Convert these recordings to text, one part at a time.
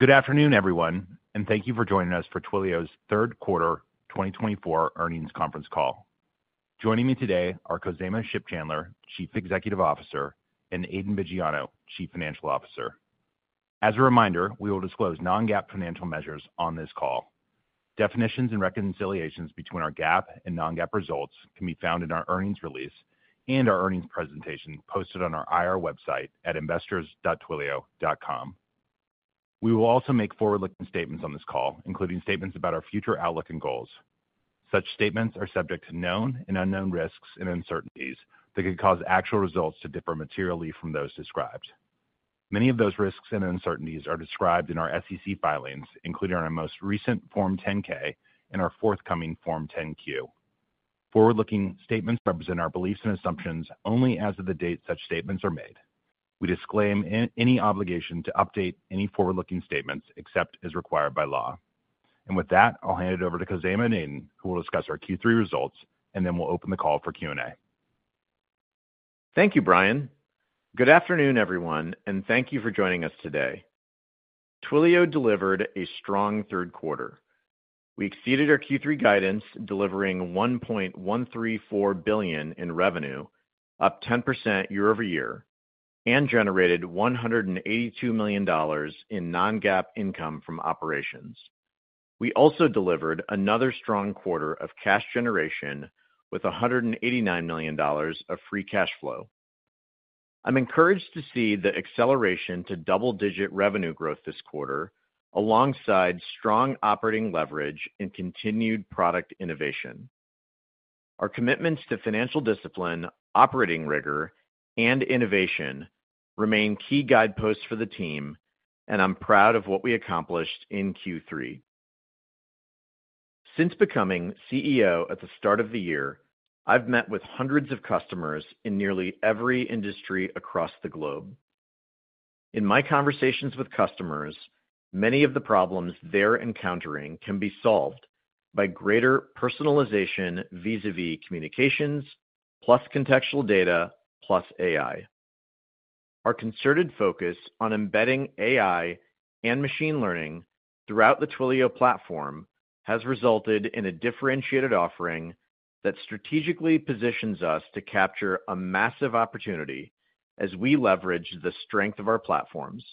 Good afternoon, everyone, and thank you for joining us for Twilio's third quarter 2024 earnings conference call. Joining me today are Khozema Shipchandler, Chief Executive Officer, and Aidan Viggiano, Chief Financial Officer. As a reminder, we will disclose non-GAAP financial measures on this call. Definitions and reconciliations between our GAAP and non-GAAP results can be found in our earnings release and our earnings presentation posted on our IR website at investors.twilio.com. We will also make forward-looking statements on this call, including statements about our future outlook and goals. Such statements are subject to known and unknown risks and uncertainties that could cause actual results to differ materially from those described. Many of those risks and uncertainties are described in our SEC filings, including our most recent Form 10-K and our forthcoming Form 10-Q. Forward-looking statements represent our beliefs and assumptions only as of the date such statements are made. We disclaim any obligation to update any forward-looking statements except as required by law, and with that, I'll hand it over to Khozema and Aidan, who will discuss our Q3 results, and then we'll open the call for Q&A. Thank you, Bryan. Good afternoon, everyone, and thank you for joining us today. Twilio delivered a strong third quarter. We exceeded our Q3 guidance, delivering $1.134 billion in revenue, up 10% year-over-year, and generated $182 million in non-GAAP income from operations. We also delivered another strong quarter of cash generation with $189 million of free cash flow. I'm encouraged to see the acceleration to double-digit revenue growth this quarter, alongside strong operating leverage and continued product innovation. Our commitments to financial discipline, operating rigor, and innovation remain key guideposts for the team, and I'm proud of what we accomplished in Q3. Since becoming CEO at the start of the year, I've met with hundreds of customers in nearly every industry across the globe. In my conversations with customers, many of the problems they're encountering can be solved by greater personalization vis-à-vis communications, plus contextual data, plus AI. Our concerted focus on embedding AI and machine learning throughout the Twilio platform has resulted in a differentiated offering that strategically positions us to capture a massive opportunity as we leverage the strength of our platforms,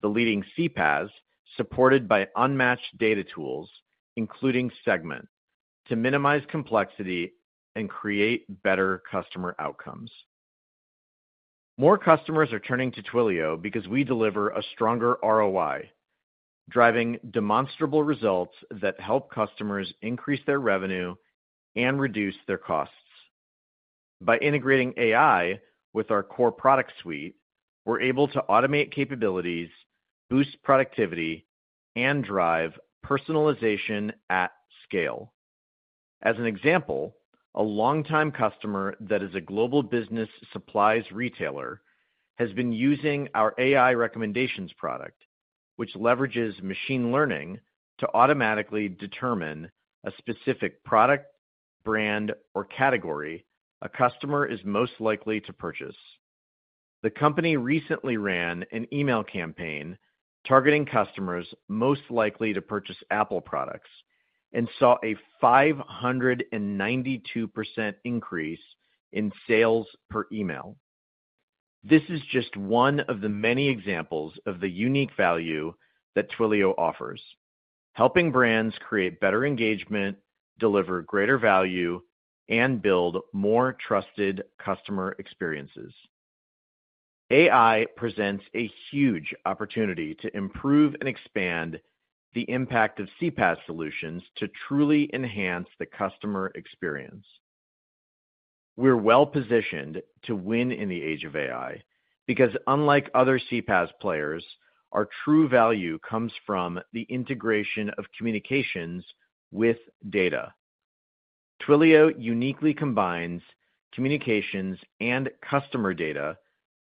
the leading CPaaS supported by unmatched data tools, including Segment, to minimize complexity and create better customer outcomes. More customers are turning to Twilio because we deliver a stronger ROI, driving demonstrable results that help customers increase their revenue and reduce their costs. By integrating AI with our core product suite, we're able to automate capabilities, boost productivity, and drive personalization at scale. As an example, a longtime customer that is a global business supplies retailer has been using our AI recommendations product, which leverages machine learning to automatically determine a specific product, brand, or category a customer is most likely to purchase. The company recently ran an email campaign targeting customers most likely to purchase Apple products and saw a 592% increase in sales per email. This is just one of the many examples of the unique value that Twilio offers, helping brands create better engagement, deliver greater value, and build more trusted customer experiences. AI presents a huge opportunity to improve and expand the impact of CPaaS solutions to truly enhance the customer experience. We're well-positioned to win in the age of AI because, unlike other CPaaS players, our true value comes from the integration of communications with data. Twilio uniquely combines communications and customer data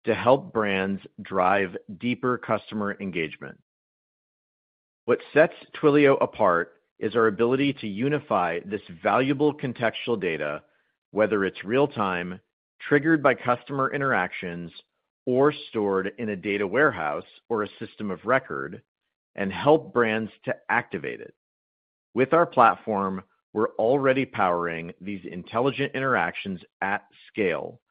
to help brands drive deeper customer engagement. What sets Twilio apart is our ability to unify this valuable contextual data, whether it's real-time, triggered by customer interactions, or stored in a data warehouse or a system of record, and help brands to activate it. With our platform, we're already powering these intelligent interactions at scale,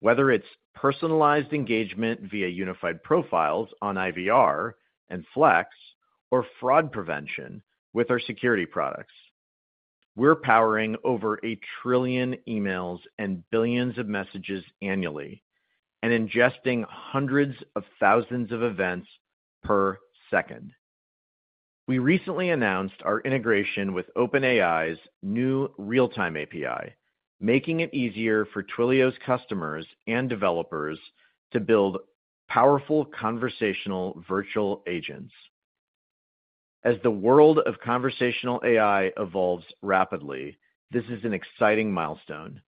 whether it's personalized engagement via Unified Profiles on IVR and Flex or fraud prevention with our security products. We're powering over a trillion emails and billions of messages annually and ingesting hundreds of thousands of events per second. We recently announced our integration with OpenAI's new Realtime API, making it easier for Twilio's customers and developers to build powerful conversational virtual agents. As the world of conversational AI evolves rapidly, this is an exciting milestone.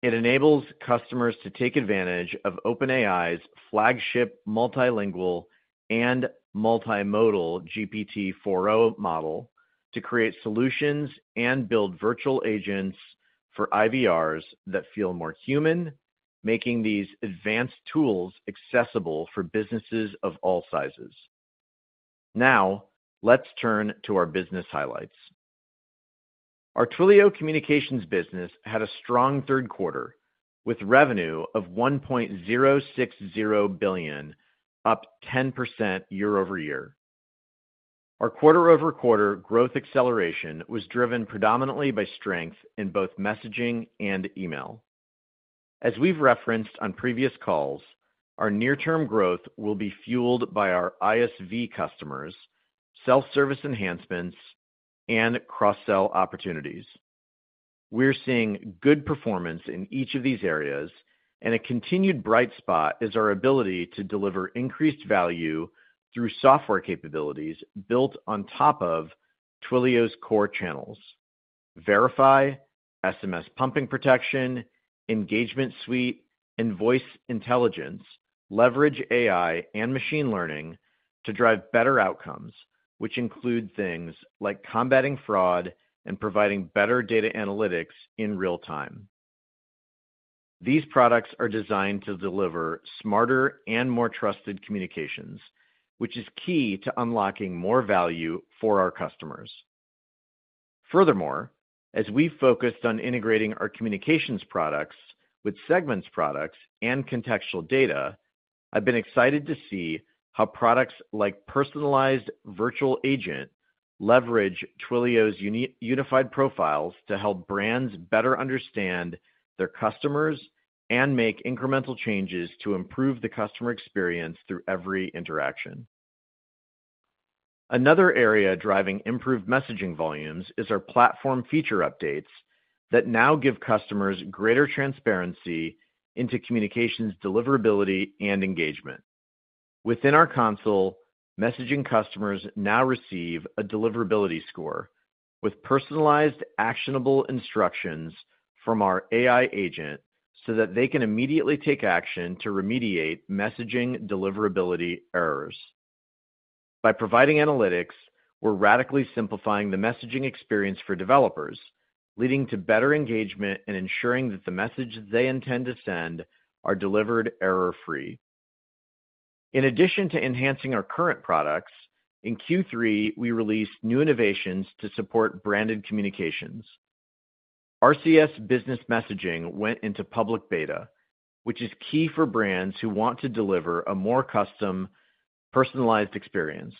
It enables customers to take advantage of OpenAI's flagship multilingual and multimodal GPT-4o model to create solutions and build virtual agents for IVRs that feel more human, making these advanced tools accessible for businesses of all sizes. Now, let's turn to our business highlights. Our Twilio communications business had a strong third quarter with revenue of $1.060 billion, up 10% year-over-year. Our quarter-over-quarter growth acceleration was driven predominantly by strength in both messaging and email. As we've referenced on previous calls, our near-term growth will be fueled by our ISV customers, self-service enhancements, and cross-sell opportunities. We're seeing good performance in each of these areas, and a continued bright spot is our ability to deliver increased value through software capabilities built on top of Twilio's core channels: Verify, SMS pumping protection, engagement suite, and Voice Intelligence leverage AI and machine learning to drive better outcomes, which include things like combating fraud and providing better data analytics in real time. These products are designed to deliver smarter and more trusted communications, which is key to unlocking more value for our customers. Furthermore, as we've focused on integrating our communications products with Segment's products and contextual data, I've been excited to see how products like personalized virtual agent leverage Twilio's unified profiles to help brands better understand their customers and make incremental changes to improve the customer experience through every interaction. Another area driving improved messaging volumes is our platform feature updates that now give customers greater transparency into communications deliverability and engagement. Within our console, messaging customers now receive a deliverability score with personalized, actionable instructions from our AI agent so that they can immediately take action to remediate messaging deliverability errors. By providing analytics, we're radically simplifying the messaging experience for developers, leading to better engagement and ensuring that the messages they intend to send are delivered error-free. In addition to enhancing our current products, in Q3, we released new innovations to support branded communications. RCS Business Messaging went into public beta, which is key for brands who want to deliver a more custom, personalized experience.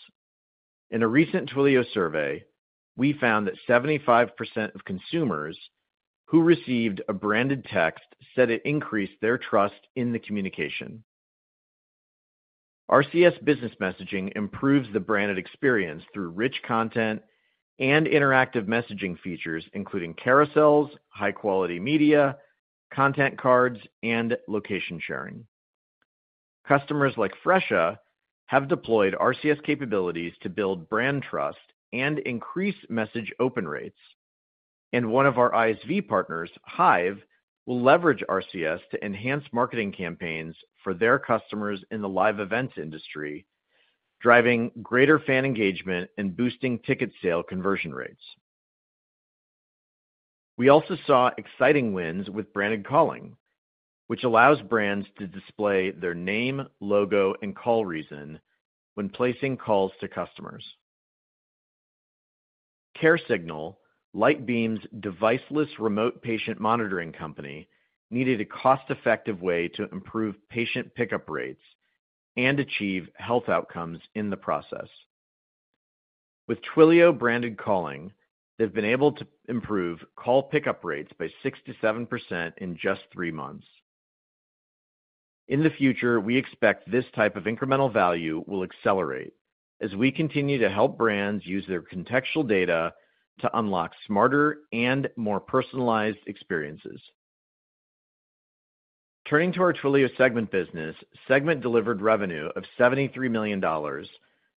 In a recent Twilio survey, we found that 75% of consumers who received a branded text said it increased their trust in the communication. RCS Business Messaging improves the branded experience through rich content and interactive messaging features, including carousels, high-quality media, content cards, and location sharing. Customers like Fresha have deployed RCS capabilities to build brand trust and increase message open rates. And one of our ISV partners, Hive, will leverage RCS to enhance marketing campaigns for their customers in the live events industry, driving greater fan engagement and boosting ticket sale conversion rates. We also saw exciting wins with Branded Calling, which allows brands to display their name, logo, and call reason when placing calls to customers. CareSignal, Lightbeam's deviceless remote patient monitoring company, needed a cost-effective way to improve patient pickup rates and achieve health outcomes in the process. With Twilio-branded calling, they've been able to improve call pickup rates by 67% in just three months. In the future, we expect this type of incremental value will accelerate as we continue to help brands use their contextual data to unlock smarter and more personalized experiences. Turning to our Twilio Segment business, Segment delivered revenue of $73 million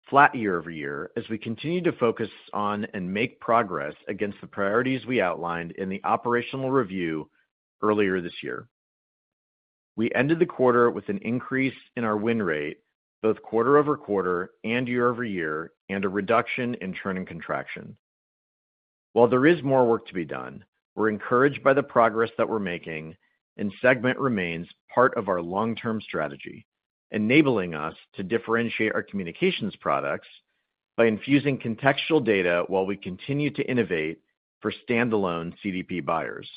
flat year-over-year as we continue to focus on and make progress against the priorities we outlined in the operational review earlier this year. We ended the quarter with an increase in our win rate, both quarter-over-quarter and year-over-year, and a reduction in churn and contraction. While there is more work to be done, we're encouraged by the progress that we're making, and Segment remains part of our long-term strategy, enabling us to differentiate our communications products by infusing contextual data while we continue to innovate for standalone CDP buyers.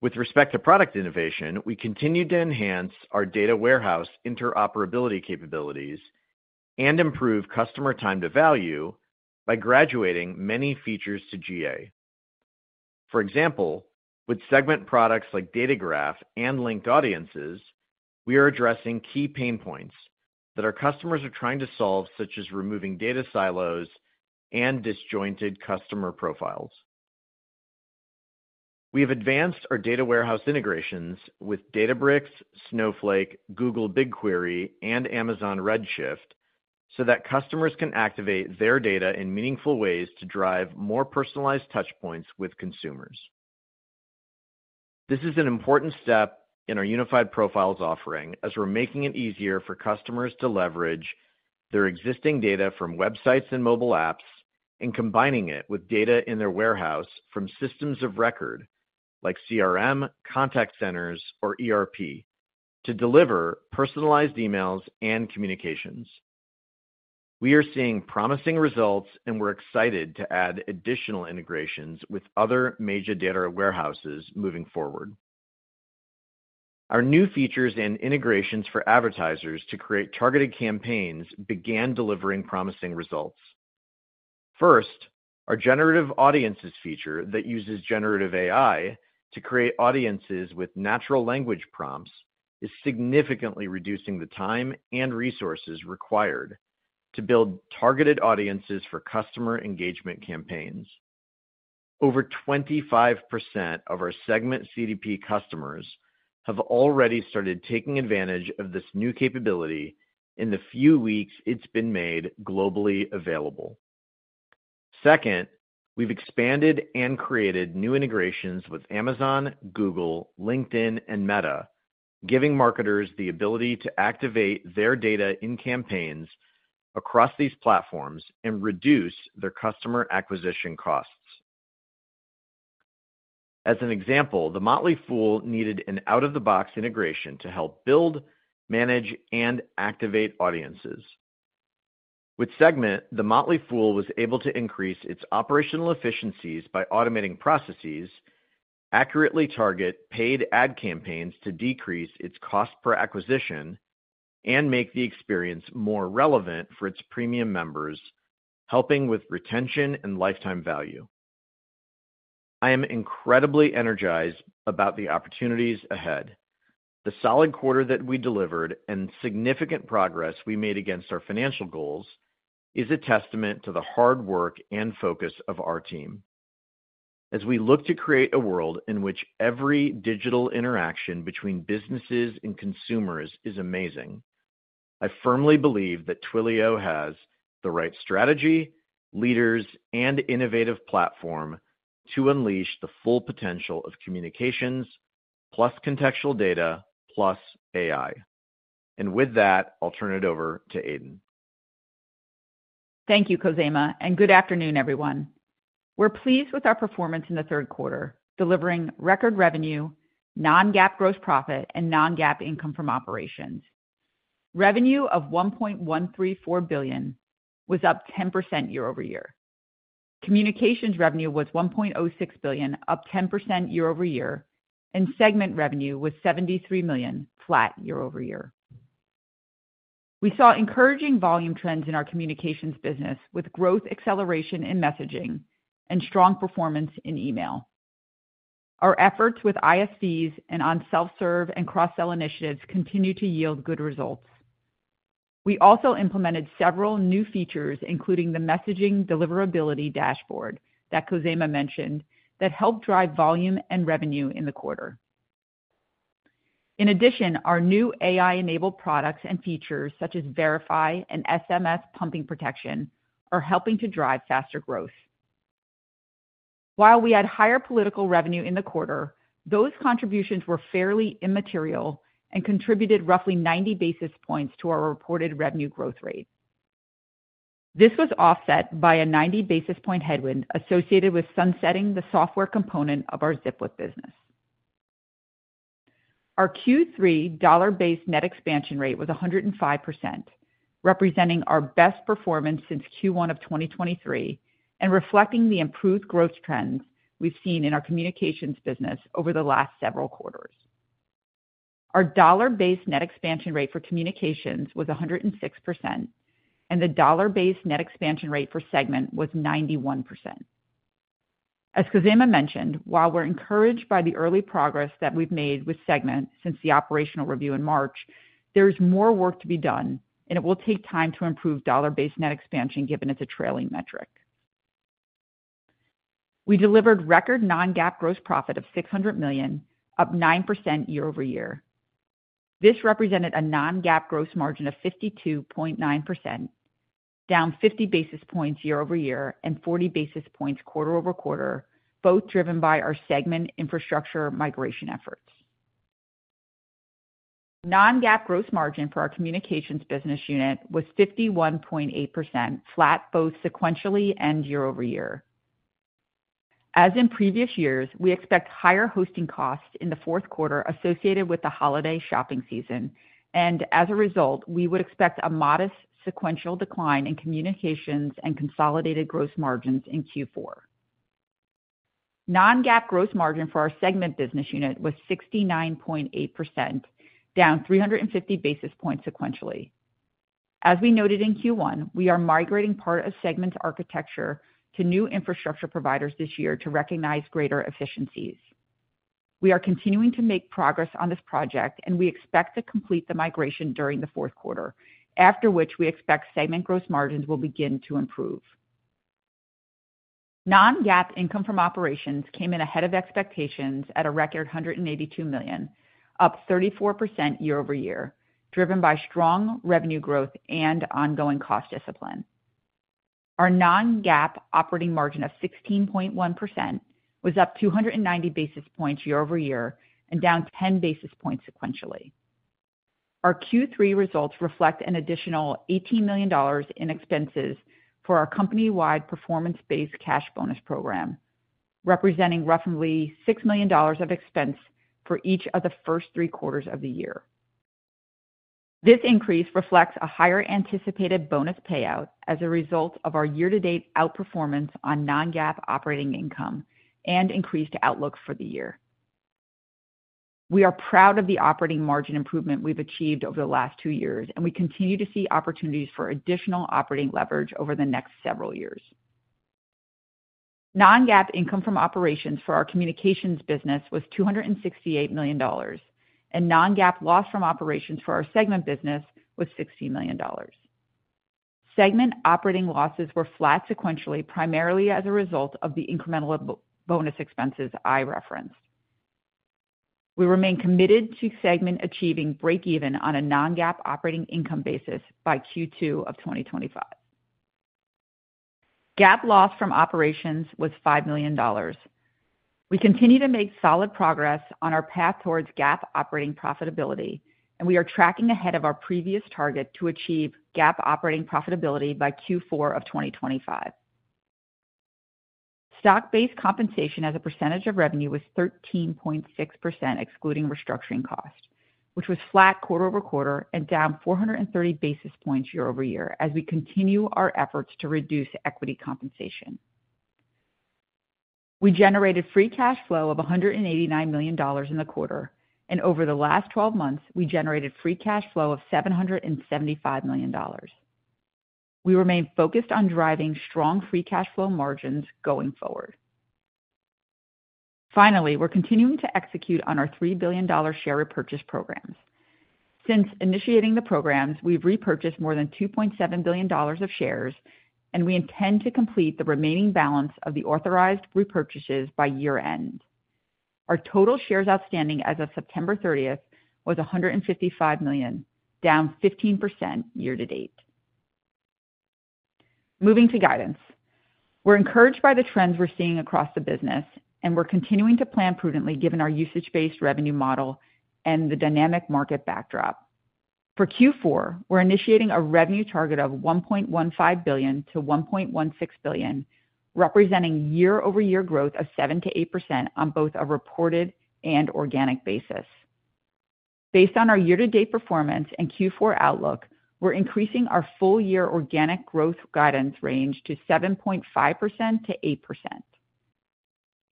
With respect to product innovation, we continue to enhance our data warehouse interoperability capabilities and improve customer time to value by graduating many features to GA. For example, with Segment products like Data Graph and Linked Audiences, we are addressing key pain points that our customers are trying to solve, such as removing data silos and disjointed customer profiles. We have advanced our data warehouse integrations with Databricks, Snowflake, Google BigQuery, and Amazon Redshift so that customers can activate their data in meaningful ways to drive more personalized touchpoints with consumers. This is an important step in our unified profiles offering as we're making it easier for customers to leverage their existing data from websites and mobile apps and combining it with data in their warehouse from systems of record like CRM, contact centers, or ERP to deliver personalized emails and communications. We are seeing promising results, and we're excited to add additional integrations with other major data warehouses moving forward. Our new features and integrations for advertisers to create targeted campaigns began delivering promising results. First, our Generative Audiences feature that uses generative AI to create audiences with natural language prompts is significantly reducing the time and resources required to build targeted audiences for customer engagement campaigns. Over 25% of our Segment CDP customers have already started taking advantage of this new capability in the few weeks it's been made globally available. Second, we've expanded and created new integrations with Amazon, Google, LinkedIn, and Meta, giving marketers the ability to activate their data in campaigns across these platforms and reduce their customer acquisition costs. As an example, The Motley Fool needed an out-of-the-box integration to help build, manage, and activate audiences. With Segment, The Motley Fool was able to increase its operational efficiencies by automating processes, accurately target paid ad campaigns to decrease its cost per acquisition, and make the experience more relevant for its premium members, helping with retention and lifetime value. I am incredibly energized about the opportunities ahead. The solid quarter that we delivered and significant progress we made against our financial goals is a testament to the hard work and focus of our team. As we look to create a world in which every digital interaction between businesses and consumers is amazing, I firmly believe that Twilio has the right strategy, leaders, and innovative platform to unleash the full potential of communications plus contextual data plus AI. And with that, I'll turn it over to Aidan. Thank you, Khozema, and good afternoon, everyone. We're pleased with our performance in the third quarter, delivering record revenue, non-GAAP gross profit, and non-GAAP income from operations. Revenue of $1.134 billion was up 10% year-over-year. Communications revenue was $1.06 billion, up 10% year-over-year, and Segment revenue was $73 million flat year-over-year. We saw encouraging volume trends in our communications business with growth acceleration in messaging and strong performance in email. Our efforts with ISVs and on self-serve and cross-sell initiatives continue to yield good results. We also implemented several new features, including the messaging deliverability dashboard that Khozema mentioned, that helped drive volume and revenue in the quarter. In addition, our new AI-enabled products and features, such as Verify and SMS pumping protection, are helping to drive faster growth. While we had higher political revenue in the quarter, those contributions were fairly immaterial and contributed roughly 90 basis points to our reported revenue growth rate. This was offset by a 90 basis point headwind associated with sunsetting the software component of our Zipwhip business. Our Q3 dollar-based net expansion rate was 105%, representing our best performance since Q1 of 2023 and reflecting the improved growth trends we've seen in our communications business over the last several quarters. Our dollar-based net expansion rate for communications was 106%, and the dollar-based net expansion rate for Segment was 91%. As Khozema mentioned, while we're encouraged by the early progress that we've made with Segment since the operational review in March, there is more work to be done, and it will take time to improve dollar-based net expansion, given it's a trailing metric. We delivered record non-GAAP gross profit of $600 million, up 9% year-over-year. This represented a non-GAAP gross margin of 52.9%, down 50 basis points year-over-year and 40 basis points quarter-over-quarter, both driven by our Segment infrastructure migration efforts. Non-GAAP gross margin for our communications business unit was 51.8%, flat both sequentially and year-over-year. As in previous years, we expect higher hosting costs in the fourth quarter associated with the holiday shopping season, and as a result, we would expect a modest sequential decline in communications and consolidated gross margins in Q4. Non-GAAP gross margin for our Segment business unit was 69.8%, down 350 basis points sequentially. As we noted in Q1, we are migrating part of Segment's architecture to new infrastructure providers this year to recognize greater efficiencies. We are continuing to make progress on this project, and we expect to complete the migration during the fourth quarter, after which we expect Segment gross margins will begin to improve. Non-GAAP income from operations came in ahead of expectations at a record $182 million, up 34% year-over-year, driven by strong revenue growth and ongoing cost discipline. Our non-GAAP operating margin of 16.1% was up 290 basis points year-over-year and down 10 basis points sequentially. Our Q3 results reflect an additional $18 million in expenses for our company-wide performance-based cash bonus program, representing roughly $6 million of expense for each of the first three quarters of the year. This increase reflects a higher anticipated bonus payout as a result of our year-to-date outperformance on non-GAAP operating income and increased outlook for the year. We are proud of the operating margin improvement we've achieved over the last two years, and we continue to see opportunities for additional operating leverage over the next several years. Non-GAAP income from operations for our communications business was $268 million, and non-GAAP loss from operations for our Segment business was $60 million. Segment operating losses were flat sequentially, primarily as a result of the incremental bonus expenses I referenced. We remain committed to Segment achieving break-even on a non-GAAP operating income basis by Q2 of 2025. GAAP loss from operations was $5 million. We continue to make solid progress on our path towards GAAP operating profitability, and we are tracking ahead of our previous target to achieve GAAP operating profitability by Q4 of 2025. Stock-based compensation as a percentage of revenue was 13.6%, excluding restructuring cost, which was flat quarter-over-quarter and down 430 basis points year-over-year as we continue our efforts to reduce equity compensation. We generated free cash flow of $189 million in the quarter, and over the last 12 months, we generated free cash flow of $775 million. We remain focused on driving strong free cash flow margins going forward. Finally, we're continuing to execute on our $3 billion share repurchase programs. Since initiating the programs, we've repurchased more than $2.7 billion of shares, and we intend to complete the remaining balance of the authorized repurchases by year-end. Our total shares outstanding as of September 30th was 155 million, down 15% year-to-date. Moving to guidance. We're encouraged by the trends we're seeing across the business, and we're continuing to plan prudently given our usage-based revenue model and the dynamic market backdrop. For Q4, we're initiating a revenue target of $1.15 billion-$1.16 billion, representing year-over-year growth of 7%-8% on both a reported and organic basis. Based on our year-to-date performance and Q4 outlook, we're increasing our full-year organic growth guidance range to 7.5%-8%.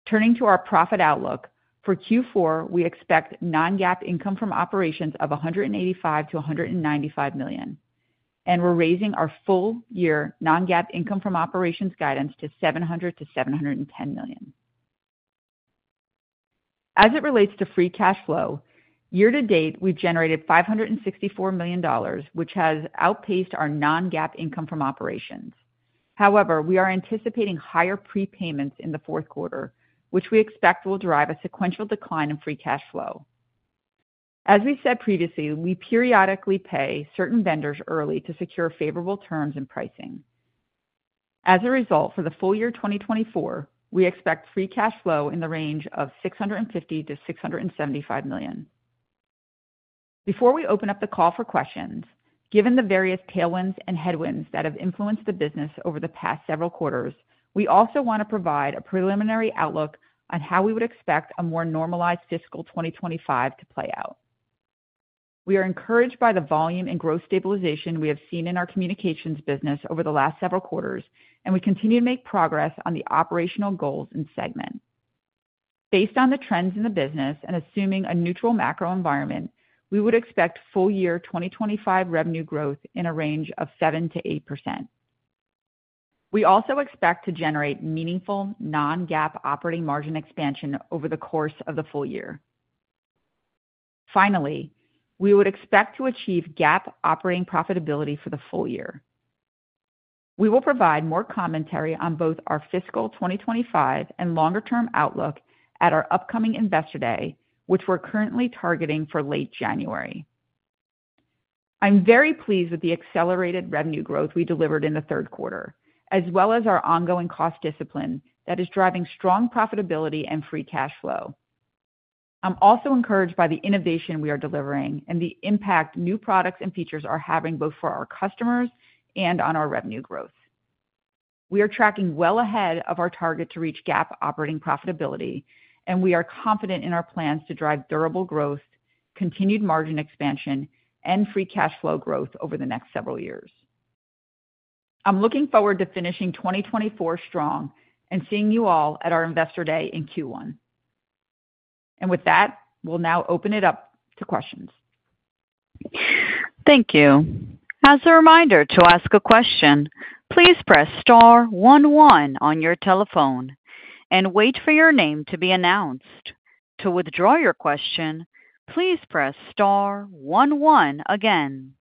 Turning to our profit outlook, for Q4, we expect non-GAAP income from operations of $185 million-$195 million, and we're raising our full-year non-GAAP income from operations guidance to $700 million-$710 million. As it relates to free cash flow, year-to-date, we've generated $564 million, which has outpaced our non-GAAP income from operations. However, we are anticipating higher prepayments in the fourth quarter, which we expect will drive a sequential decline in free cash flow. As we said previously, we periodically pay certain vendors early to secure favorable terms and pricing. As a result, for the full year 2024, we expect free cash flow in the range of $650 million-$675 million. Before we open up the call for questions, given the various tailwinds and headwinds that have influenced the business over the past several quarters, we also want to provide a preliminary outlook on how we would expect a more normalized fiscal 2025 to play out. We are encouraged by the volume and growth stabilization we have seen in our communications business over the last several quarters, and we continue to make progress on the operational goals in Segment. Based on the trends in the business and assuming a neutral macro environment, we would expect full-year 2025 revenue growth in a range of 7%-8%. We also expect to generate meaningful non-GAAP operating margin expansion over the course of the full year. Finally, we would expect to achieve GAAP operating profitability for the full year. We will provide more commentary on both our fiscal 2025 and longer-term outlook at our upcoming Investor Day, which we're currently targeting for late January. I'm very pleased with the accelerated revenue growth we delivered in the third quarter, as well as our ongoing cost discipline that is driving strong profitability and free cash flow. I'm also encouraged by the innovation we are delivering and the impact new products and features are having both for our customers and on our revenue growth. We are tracking well ahead of our target to reach GAAP operating profitability, and we are confident in our plans to drive durable growth, continued margin expansion, and free cash flow growth over the next several years. I'm looking forward to finishing 2024 strong and seeing you all at our Investor Day in Q1. And with that, we'll now open it up to questions. Thank you. As a reminder to ask a question, please press star one one on your telephone and wait for your name to be announced. To withdraw your question, please press star one one again.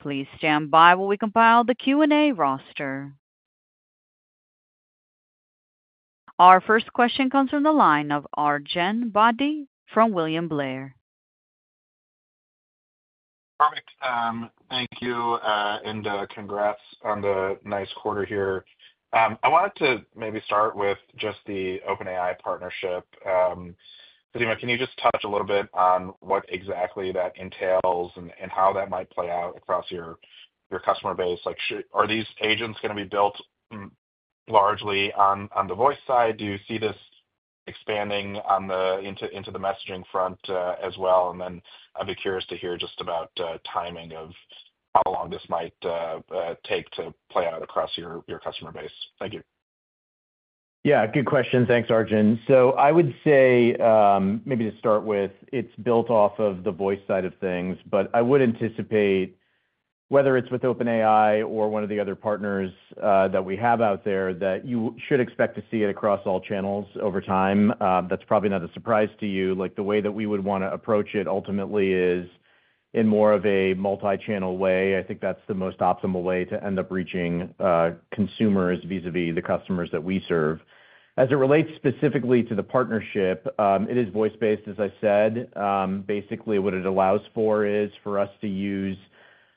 Please stand by while we compile the Q&A roster. Our first question comes from the line of Arjun Bhatia from William Blair. Perfect. Thank you, Aidan. Congrats on the nice quarter here. I wanted to maybe start with just the OpenAI partnership. Khozema, can you just touch a little bit on what exactly that entails and how that might play out across your customer base? Are these agents going to be built largely on the voice side? Do you see this expanding into the messaging front as well? And then I'd be curious to hear just about timing of how long this might take to play out across your customer base. Thank you. Yeah, good question. Thanks, Arjun. So I would say, maybe to start with, it's built off of the voice side of things, but I would anticipate, whether it's with OpenAI or one of the other partners that we have out there, that you should expect to see it across all channels over time. That's probably not a surprise to you. The way that we would want to approach it ultimately is in more of a multi-channel way. I think that's the most optimal way to end up reaching consumers vis-à-vis the customers that we serve. As it relates specifically to the partnership, it is voice-based, as I said. Basically, what it allows for is for us to use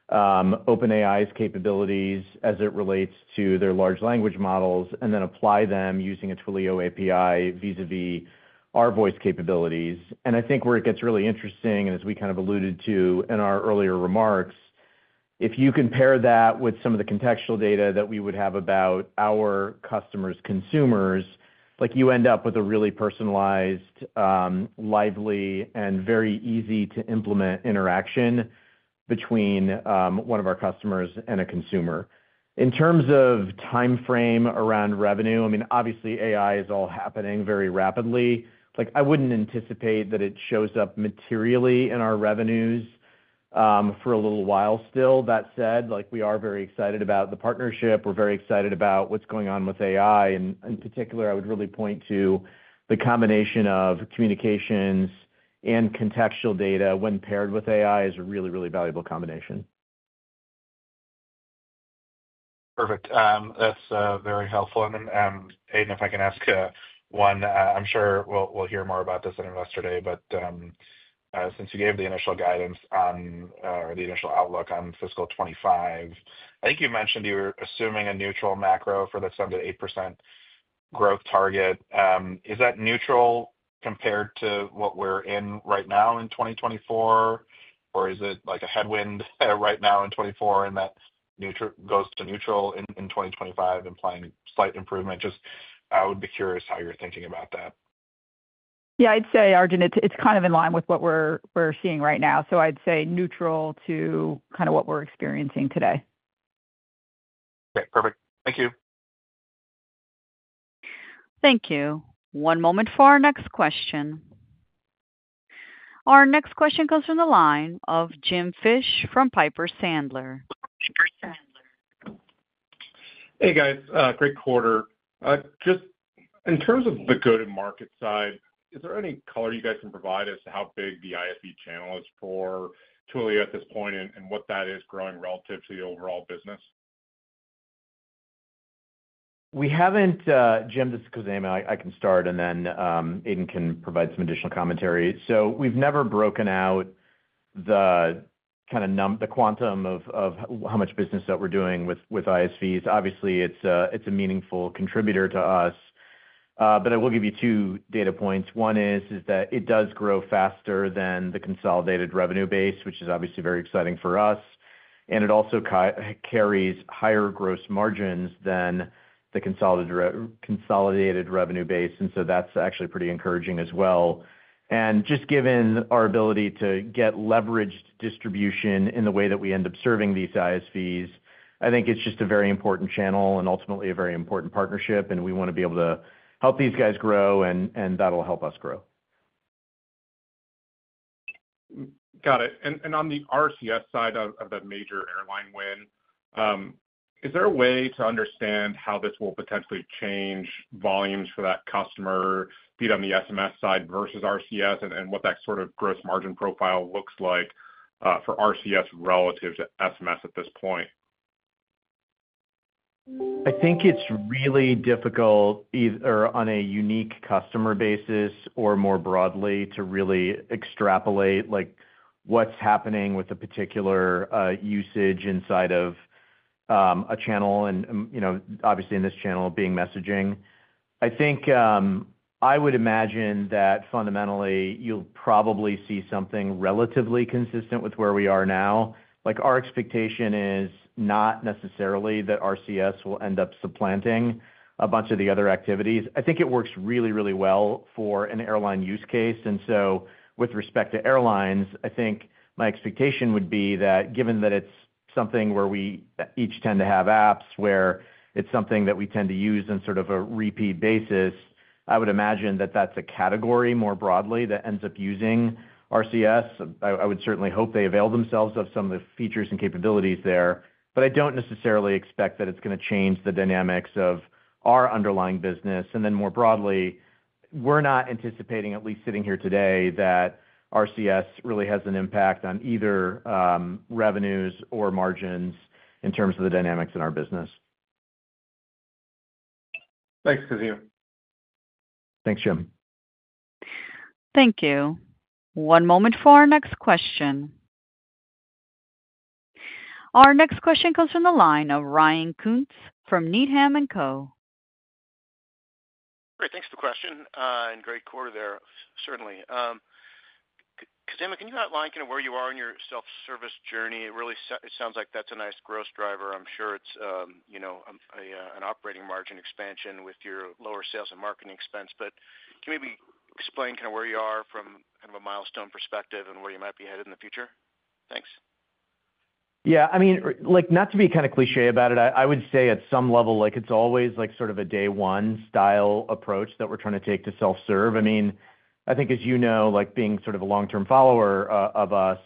OpenAI's capabilities as it relates to their large language models and then apply them using a Twilio API vis-à-vis our voice capabilities, and I think where it gets really interesting, and as we kind of alluded to in our earlier remarks, if you compare that with some of the contextual data that we would have about our customers' consumers, you end up with a really personalized, lively, and very easy-to-implement interaction between one of our customers and a consumer. In terms of timeframe around revenue, I mean, obviously, AI is all happening very rapidly. I wouldn't anticipate that it shows up materially in our revenues for a little while still. That said, we are very excited about the partnership. We're very excited about what's going on with AI. In particular, I would really point to the combination of communications and contextual data when paired with AI is a really, really valuable combination. Perfect. That's very helpful. And Aidan, if I can ask one, I'm sure we'll hear more about this at Investor Day, but since you gave the initial guidance on or the initial outlook on fiscal 2025, I think you mentioned you were assuming a neutral macro for the 7%-8% growth target. Is that neutral compared to what we're in right now in 2024, or is it like a headwind right now in 2024 and that goes to neutral in 2025, implying slight improvement? Just, I would be curious how you're thinking about that. Yeah, I'd say, Arjun, it's kind of in line with what we're seeing right now. So I'd say neutral to kind of what we're experiencing today. Okay. Perfect. Thank you. Thank you. One moment for our next question. Our next question comes from the line of Jim Fish from Piper Sandler. Hey, guys. Great quarter. Just in terms of the go-to-market side, is there any color you guys can provide as to how big the ISV channel is for Twilio at this point and what that is growing relative to the overall business? Jim, this is Khozema. I can start, and then Aidan can provide some additional commentary. So we've never broken out the kind of quantum of how much business that we're doing with ISVs. Obviously, it's a meaningful contributor to us. But I will give you two data points. One is that it does grow faster than the consolidated revenue base, which is obviously very exciting for us. And it also carries higher gross margins than the consolidated revenue base. And so that's actually pretty encouraging as well. And just given our ability to get leveraged distribution in the way that we end up serving these ISVs, I think it's just a very important channel and ultimately a very important partnership. And we want to be able to help these guys grow, and that'll help us grow. Got it. And on the RCS side of the major airline win, is there a way to understand how this will potentially change volumes for that customer, be it on the SMS side versus RCS, and what that sort of gross margin profile looks like for RCS relative to SMS at this point? I think it's really difficult either on a unique customer basis or more broadly to really extrapolate what's happening with a particular usage inside of a channel, and obviously in this channel being messaging. I think I would imagine that fundamentally you'll probably see something relatively consistent with where we are now. Our expectation is not necessarily that RCS will end up supplanting a bunch of the other activities. I think it works really, really well for an airline use case, and so with respect to airlines, I think my expectation would be that given that it's something where we each tend to have apps, where it's something that we tend to use on sort of a repeat basis, I would imagine that that's a category more broadly that ends up using RCS. I would certainly hope they avail themselves of some of the features and capabilities there, but I don't necessarily expect that it's going to change the dynamics of our underlying business. And then more broadly, we're not anticipating, at least sitting here today, that RCS really has an impact on either revenues or margins in terms of the dynamics in our business. Thanks, Khozema. Thanks, Jim. Thank you. One moment for our next question. Our next question comes from the line of Ryan Koontz from Needham & Company. All right. Thanks for the question. And great quarter there, certainly. Khozema, can you outline kind of where you are in your self-service journey? It really sounds like that's a nice growth driver. I'm sure it's an operating margin expansion with your lower sales and marketing expense. But can you maybe explain kind of where you are from kind of a milestone perspective and where you might be headed in the future? Thanks. Yeah. I mean, not to be kind of cliché about it, I would say at some level, it's always sort of a day-one style approach that we're trying to take to self-serve. I mean, I think, as you know, being sort of a long-term follower of us,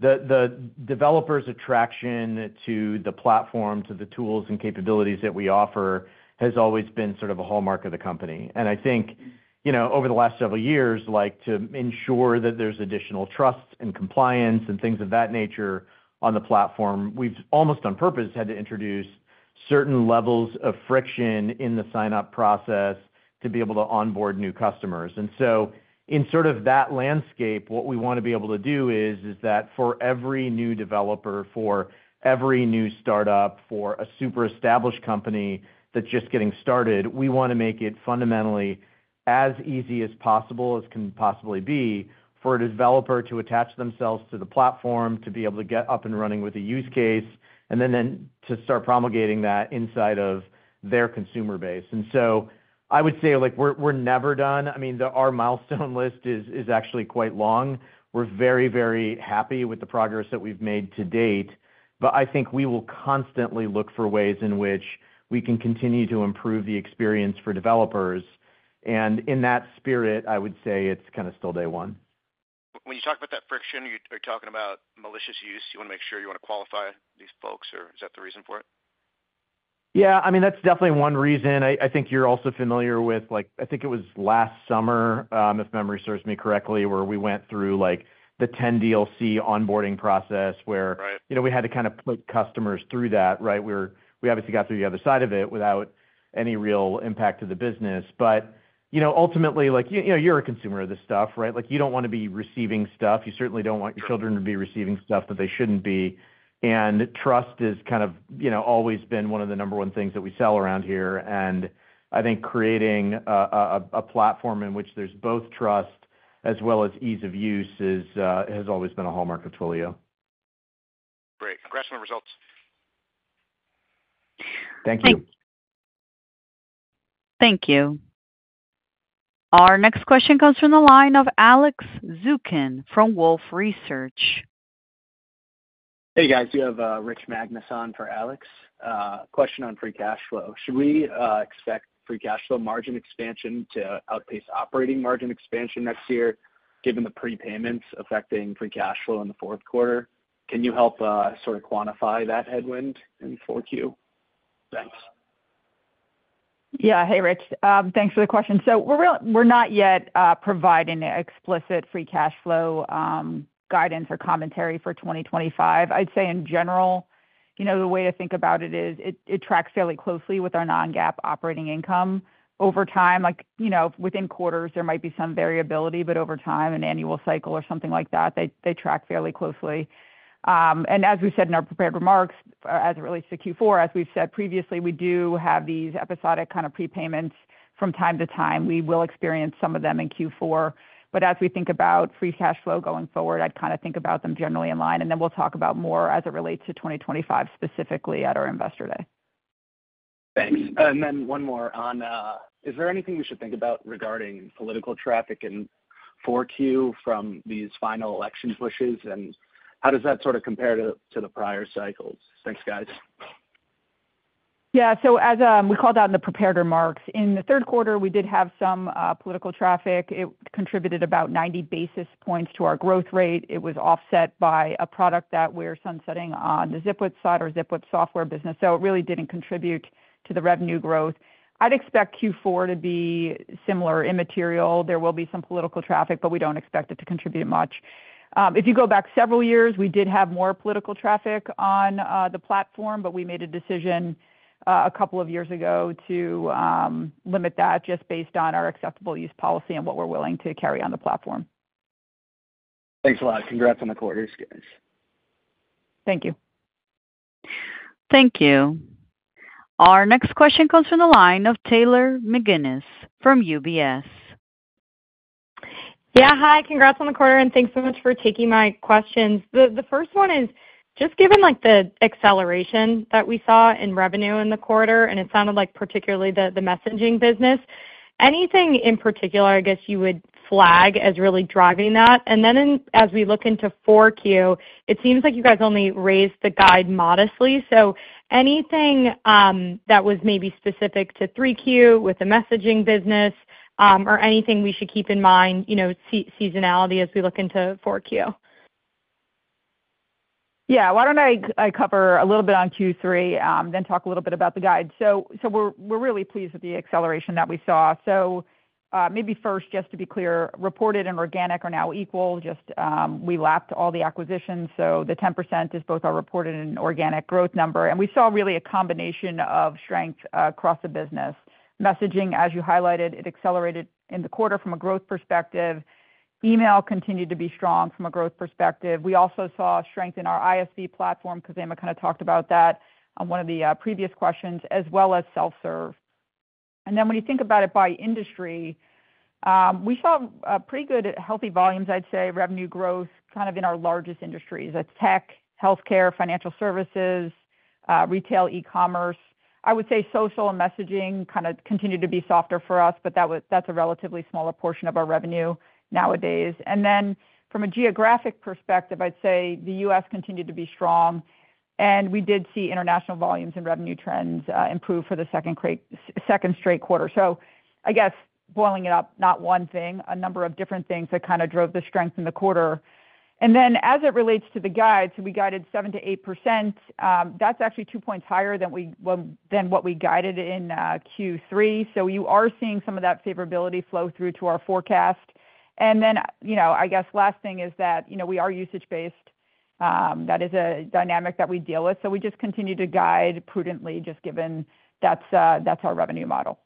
the developer's attraction to the platform, to the tools and capabilities that we offer has always been sort of a hallmark of the company. And I think over the last several years, to ensure that there's additional trust and compliance and things of that nature on the platform, we've almost on purpose had to introduce certain levels of friction in the sign-up process to be able to onboard new customers. And so in sort of that landscape, what we want to be able to do is that for every new developer, for every new startup, for a super established company that's just getting started, we want to make it fundamentally as easy as possible as can possibly be for a developer to attach themselves to the platform, to be able to get up and running with a use case, and then to start promulgating that inside of their consumer base. And so I would say we're never done. I mean, our milestone list is actually quite long. We're very, very happy with the progress that we've made to date, but I think we will constantly look for ways in which we can continue to improve the experience for developers. And in that spirit, I would say it's kind of still day one. When you talk about that friction, are you talking about malicious use? You want to make sure you want to qualify these folks, or is that the reason for it? Yeah. I mean, that's definitely one reason. I think you're also familiar with, I think it was last summer, if memory serves me correctly, where we went through the 10DLC onboarding process, where we had to kind of put customers through that, right? We obviously got through the other side of it without any real impact to the business, but ultimately, you're a consumer of this stuff, right? You don't want to be receiving stuff. You certainly don't want your children to be receiving stuff that they shouldn't be, and trust has kind of always been one of the number one things that we sell around here. And I think creating a platform in which there's both trust as well as ease of use has always been a hallmark of Twilio. Great. Congrats on the results. Thank you. Thank you. Our next question comes from the line of Alex Zukin from Wolfe Research. Hey, guys. We have Rich Magnus on for Alex. Question on free cash flow. Should we expect free cash flow margin expansion to outpace operating margin expansion next year given the prepayments affecting free cash flow in the fourth quarter? Can you help sort of quantify that headwind in 4Q? Thanks. Yeah. Hey, Rich. Thanks for the question. So we're not yet providing explicit free cash flow guidance or commentary for 2025. I'd say in general, the way to think about it is it tracks fairly closely with our non-GAAP operating income over time. Within quarters, there might be some variability, but over time, an annual cycle or something like that, they track fairly closely. And as we said in our prepared remarks, as it relates to Q4, as we've said previously, we do have these episodic kind of prepayments from time to time. We will experience some of them in Q4. But as we think about free cash flow going forward, I'd kind of think about them generally in line. And then we'll talk about more as it relates to 2025 specifically at our Investor Day. Thanks. And then one more on, is there anything we should think about regarding political traffic in 4Q from these final election pushes? And how does that sort of compare to the prior cycles? Thanks, guys. Yeah. So as we called out in the prepared remarks, in the third quarter, we did have some political traffic. It contributed about 90 basis points to our growth rate. It was offset by a product that we're sunsetting on the Zipwhip side or Zipwhip software business. So it really didn't contribute to the revenue growth. I'd expect Q4 to be similar immaterial. There will be some political traffic, but we don't expect it to contribute much. If you go back several years, we did have more political traffic on the platform, but we made a decision a couple of years ago to limit that just based on our acceptable use policy and what we're willing to carry on the platform. Thanks a lot. Congrats on the quarter, guys. Thank you. Thank you. Our next question comes from the line of Taylor McGinnis from UBS. Yeah. Hi. Congrats on the quarter. And thanks so much for taking my questions. The first one is just given the acceleration that we saw in revenue in the quarter, and it sounded like particularly the messaging business, anything in particular, I guess, you would flag as really driving that? And then as we look into 4Q, it seems like you guys only raised the guide modestly. So anything that was maybe specific to 3Q with the messaging business or anything we should keep in mind, seasonality as we look into 4Q? Yeah. Why don't I cover a little bit on Q3, then talk a little bit about the guide? So we're really pleased with the acceleration that we saw. So maybe first, just to be clear, reported and organic are now equal. Just we lapped all the acquisitions. So the 10% is both our reported and organic growth number. And we saw really a combination of strength across the business. Messaging, as you highlighted, it accelerated in the quarter from a growth perspective. Email continued to be strong from a growth perspective. We also saw strength in our ISV platform. Khozema kind of talked about that on one of the previous questions, as well as self-serve, and then when you think about it by industry, we saw pretty good, healthy volumes, I'd say, revenue growth kind of in our largest industries: tech, healthcare, financial services, retail, e-commerce. I would say social and messaging kind of continued to be softer for us, but that's a relatively smaller portion of our revenue nowadays, and then from a geographic perspective, I'd say the U.S. continued to be strong. And we did see international volumes and revenue trends improve for the second straight quarter. So I guess boiling it up, not one thing, a number of different things that kind of drove the strength in the quarter. And then as it relates to the guide, so we guided 7% to 8%. That's actually two points higher than what we guided in Q3. So you are seeing some of that favorability flow through to our forecast. And then I guess last thing is that we are usage-based. That is a dynamic that we deal with. So we just continue to guide prudently just given that's our revenue model.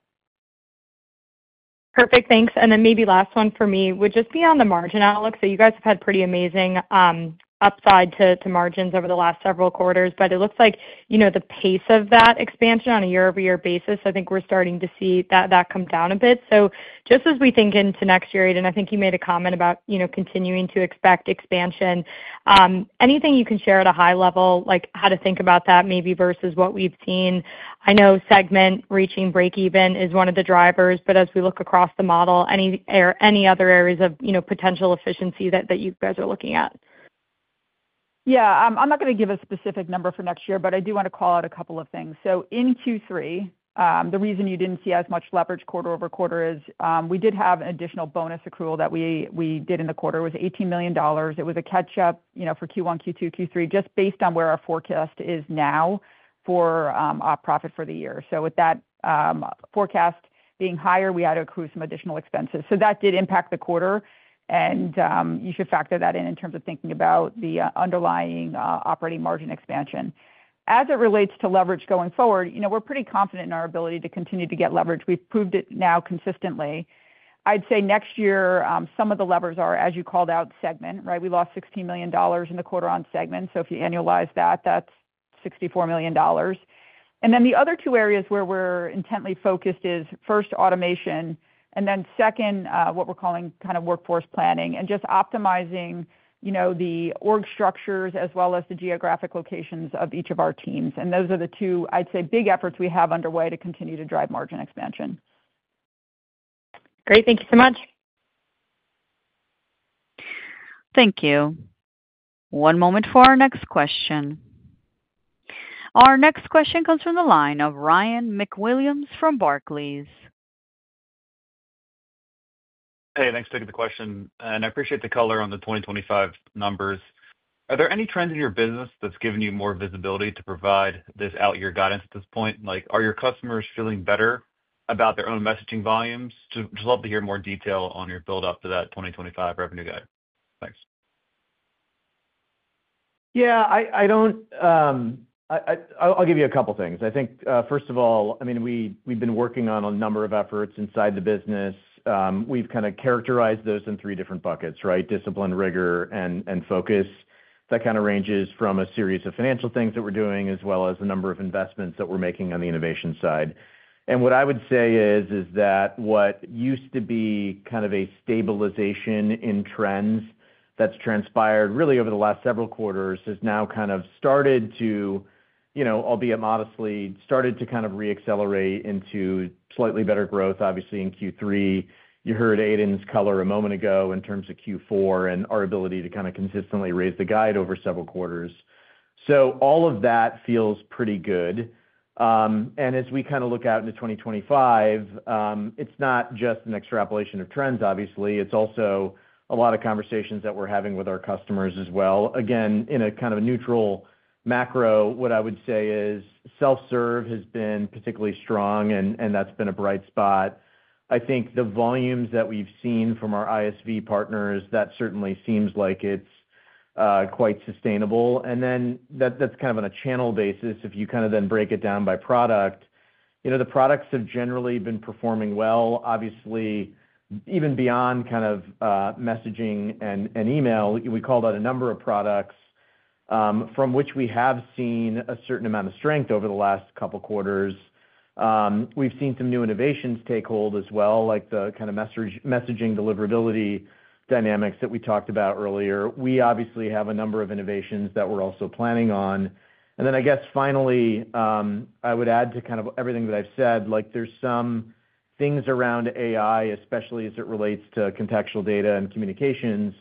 Perfect. Thanks. And then maybe last one for me would just be on the margin outlook. So you guys have had pretty amazing upside to margins over the last several quarters. But it looks like the pace of that expansion on a year-over-year basis, I think we're starting to see that come down a bit. So just as we think into next year, Aidan, I think you made a comment about continuing to expect expansion. Anything you can share at a high level, how to think about that maybe versus what we've seen? I know Segment reaching break-even is one of the drivers, but as we look across the model, any other areas of potential efficiency that you guys are looking at? Yeah. I'm not going to give a specific number for next year, but I do want to call out a couple of things. So in Q3, the reason you didn't see as much leverage quarter-over-quarter is we did have an additional bonus accrual that we did in the quarter. It was $18 million. It was a catch-up for Q1, Q2, Q3, just based on where our forecast is now for profit for the year. So with that forecast being higher, we had to accrue some additional expenses. So that did impact the quarter. And you should factor that in terms of thinking about the underlying operating margin expansion. As it relates to leverage going forward, we're pretty confident in our ability to continue to get leverage. We've proved it now consistently. I'd say next year, some of the levers are, as you called out, segment, right? We lost $16 million in the quarter on segment. So if you annualize that, that's $64 million. And then the other two areas where we're intently focused is first, automation, and then second, what we're calling kind of workforce planning and just optimizing the org structures as well as the geographic locations of each of our teams. And those are the two, I'd say, big efforts we have underway to continue to drive margin expansion. Great. Thank you so much. Thank you. One moment for our next question. Our next question comes from the line of Ryan MacWilliams from Barclays. Hey, thanks for taking the question. And I appreciate the color on the 2025 numbers. Are there any trends in your business that's given you more visibility to provide this out-year guidance at this point? Are your customers feeling better about their own messaging volumes? Just love to hear more detail on your build-up to that 2025 revenue guide. Thanks. Yeah. I'll give you a couple of things. I think, first of all, I mean, we've been working on a number of efforts inside the business. We've kind of characterized those in three different buckets, right? Discipline, rigor, and focus. That kind of ranges from a series of financial things that we're doing as well as the number of investments that we're making on the innovation side. And what I would say is that what used to be kind of a stabilization in trends that's transpired really over the last several quarters has now kind of started to, albeit modestly, started to kind of re-accelerate into slightly better growth, obviously, in Q3. You heard Aidan's color a moment ago in terms of Q4 and our ability to kind of consistently raise the guide over several quarters. So all of that feels pretty good. And as we kind of look out into 2025, it's not just an extrapolation of trends, obviously. It's also a lot of conversations that we're having with our customers as well. Again, in a kind of neutral macro, what I would say is self-serve has been particularly strong, and that's been a bright spot. I think the volumes that we've seen from our ISV partners, that certainly seems like it's quite sustainable. And then that's kind of on a channel basis. If you kind of then break it down by product, the products have generally been performing well. Obviously, even beyond kind of messaging and email, we called out a number of products from which we have seen a certain amount of strength over the last couple of quarters. We've seen some new innovations take hold as well, like the kind of messaging deliverability dynamics that we talked about earlier. We obviously have a number of innovations that we're also planning on. And then I guess finally, I would add to kind of everything that I've said, there's some things around AI, especially as it relates to contextual data and communications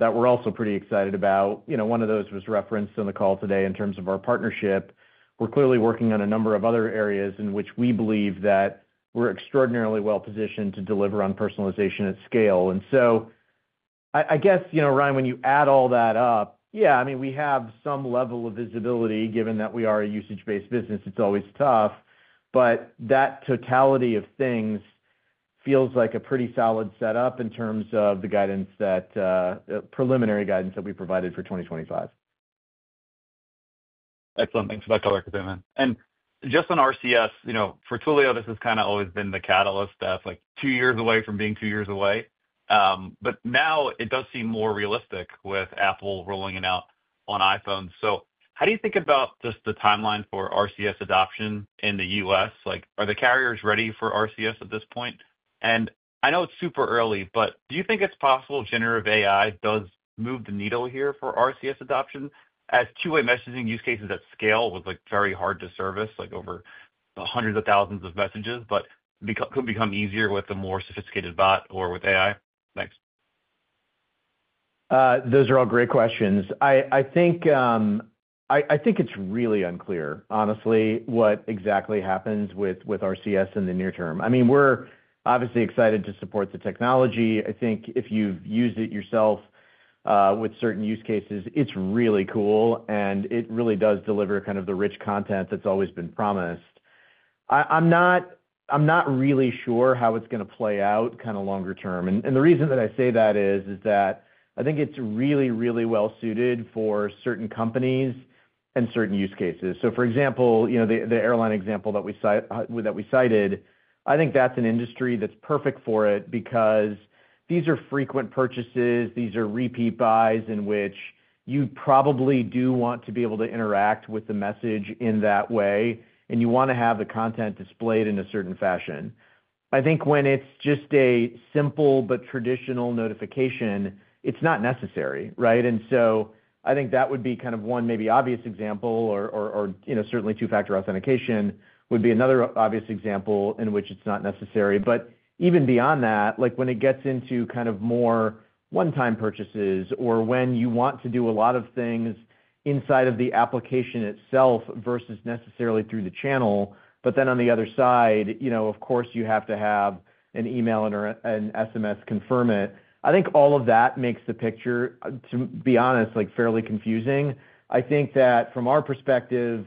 that we're also pretty excited about. One of those was referenced in the call today in terms of our partnership. We're clearly working on a number of other areas in which we believe that we're extraordinarily well-positioned to deliver on personalization at scale. And so I guess, Ryan, when you add all that up, yeah, I mean, we have some level of visibility given that we are a usage-based business. It's always tough. But that totality of things feels like a pretty solid setup in terms of the preliminary guidance that we provided for 2025. Excellent. Thanks so much for that, Khozema. Just on RCS, for Twilio, this has kind of always been the catalyst that's two years away from being two years away. But now it does seem more realistic with Apple rolling it out on iPhones. How do you think about just the timeline for RCS adoption in the U.S.? Are the carriers ready for RCS at this point? And I know it's super early, but do you think it's possible generative AI does move the needle here for RCS adoption as two-way messaging use cases at scale was very hard to service over hundreds of thousands of messages, but could become easier with a more sophisticated bot or with AI? Thanks. Those are all great questions. I think it's really unclear, honestly, what exactly happens with RCS in the near term. I mean, we're obviously excited to support the technology. I think if you've used it yourself with certain use cases, it's really cool. And it really does deliver kind of the rich content that's always been promised. I'm not really sure how it's going to play out kind of longer term. And the reason that I say that is that I think it's really, really well-suited for certain companies and certain use cases. So for example, the airline example that we cited, I think that's an industry that's perfect for it because these are frequent purchases. These are repeat buys in which you probably do want to be able to interact with the message in that way. And you want to have the content displayed in a certain fashion. I think when it's just a simple but traditional notification, it's not necessary, right? And so I think that would be kind of one maybe obvious example, or certainly two-factor authentication would be another obvious example in which it's not necessary. But even beyond that, when it gets into kind of more one-time purchases or when you want to do a lot of things inside of the application itself versus necessarily through the channel, but then on the other side, of course, you have to have an email and an SMS confirm it, I think all of that makes the picture, to be honest, fairly confusing. I think that from our perspective,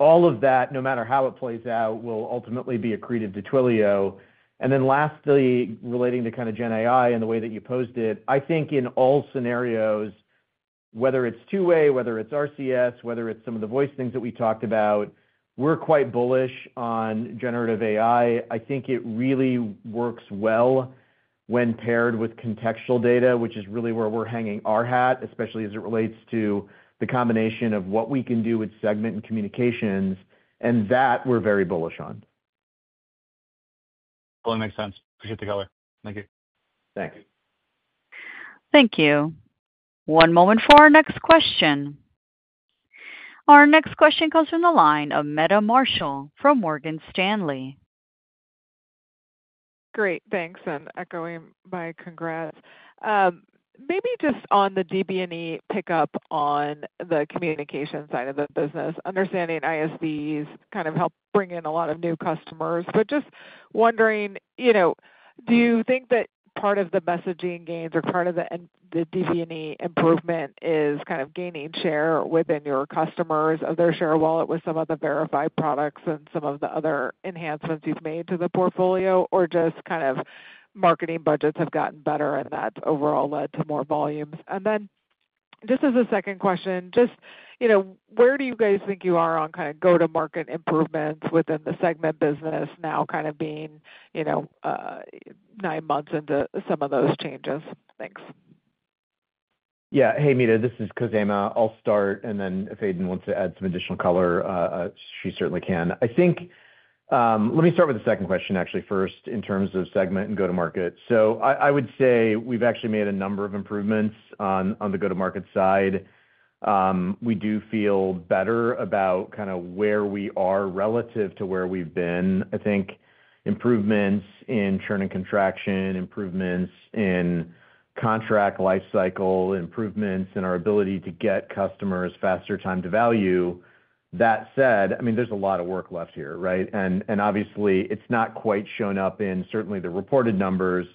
all of that, no matter how it plays out, will ultimately be accretive to Twilio. And then lastly, relating to kind of Gen AI and the way that you posed it, I think in all scenarios, whether it's two-way, whether it's RCS, whether it's some of the voice things that we talked about, we're quite bullish on generative AI. I think it really works well when paired with contextual data, which is really where we're hanging our hat, especially as it relates to the combination of what we can do with Segment and communications, and that we're very bullish on. Totally makes sense. Appreciate the color. Thank you. Thanks. Thank you. One moment for our next question. Our next question comes from the line of Meta Marshall from Morgan Stanley. Great. Thanks. And echoing my congrats. Maybe just on the DB&E pickup on the communication side of the business, understanding ISVs kind of help bring in a lot of new customers. But just wondering, do you think that part of the messaging gains or part of the DB&E improvement is kind of gaining share within your customers, their share wallet with some of the Verify products and some of the other enhancements you've made to the portfolio, or just kind of marketing budgets have gotten better and that's overall led to more volumes? And then just as a second question, just where do you guys think you are on kind of go-to-market improvements within the Segment business now kind of being nine months into some of those changes? Thanks. Yeah. Hey, Meta. This is Khozema. I'll start. And then if Aidan wants to add some additional color, she certainly can. I think let me start with the second question, actually, first in terms of Segment and go-to-market. So I would say we've actually made a number of improvements on the go-to-market side. We do feel better about kind of where we are relative to where we've been. I think improvements in churn and contraction, improvements in contract lifecycle, improvements in our ability to get customers faster time to value. That said, I mean, there's a lot of work left here, right? And obviously, it's not quite shown up in certainly the reported numbers.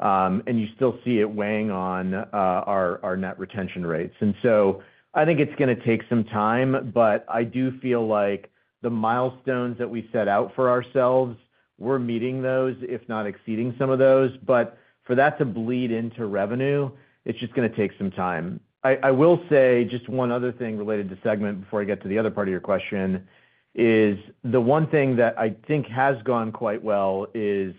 And you still see it weighing on our net retention rates. And so I think it's going to take some time, but I do feel like the milestones that we set out for ourselves, we're meeting those, if not exceeding some of those. But for that to bleed into revenue, it's just going to take some time. I will say just one other thing related to Segment before I get to the other part of your question, is the one thing that I think has gone quite well is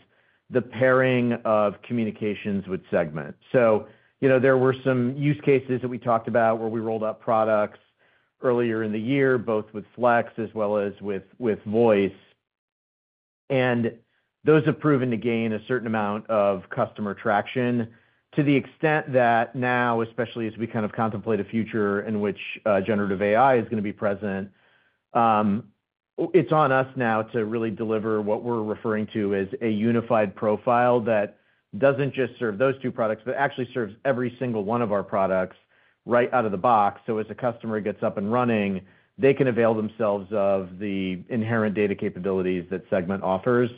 the pairing of communications with Segment. So there were some use cases that we talked about where we rolled out products earlier in the year, both with Flex as well as with Voice. And those have proven to gain a certain amount of customer traction to the extent that now, especially as we kind of contemplate a future in which generative AI is going to be present, it's on us now to really deliver what we're referring to as a unified profile that doesn't just serve those two products, but actually serves every single one of our products right out of the box. So as a customer gets up and running, they can avail themselves of the inherent data capabilities that Segment offers.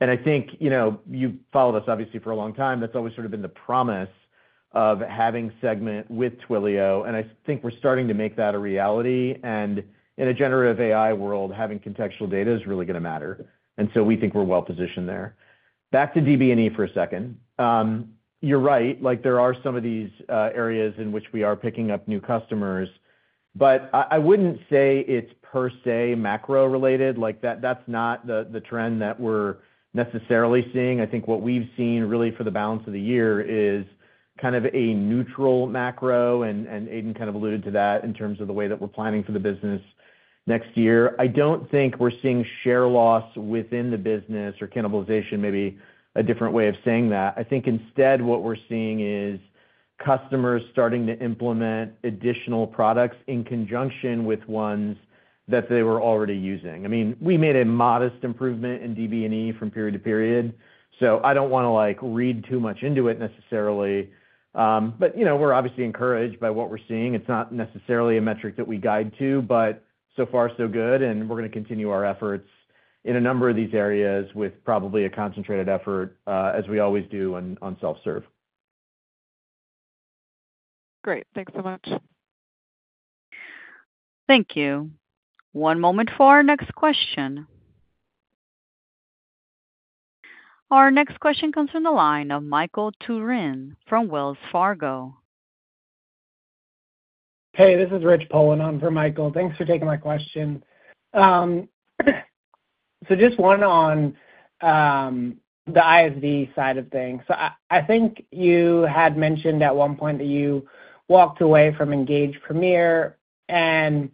And I think you've followed us, obviously, for a long time. That's always sort of been the promise of having Segment with Twilio. And I think we're starting to make that a reality. And in a Generative AI world, having contextual data is really going to matter. And so we think we're well-positioned there. Back to DB&E for a second. You're right. There are some of these areas in which we are picking up new customers. But I wouldn't say it's per se macro-related. That's not the trend that we're necessarily seeing. I think what we've seen really for the balance of the year is kind of a neutral macro. And Aidan kind of alluded to that in terms of the way that we're planning for the business next year. I don't think we're seeing share loss within the business or cannibalization, maybe a different way of saying that. I think instead what we're seeing is customers starting to implement additional products in conjunction with ones that they were already using. I mean, we made a modest improvement in DB&E from period to period. So I don't want to read too much into it necessarily. But we're obviously encouraged by what we're seeing. It's not necessarily a metric that we guide to, but so far, so good, and we're going to continue our efforts in a number of these areas with probably a concentrated effort, as we always do, on self-serve. Great. Thanks so much. Thank you. One moment for our next question. Our next question comes from the line of Michael Turrin from Wells Fargo. Hey, this is Rich Poland on for Michael. Thanks for taking my question. So just one on the ISV side of things. So I think you had mentioned at one point that you walked away from Engage Premier. And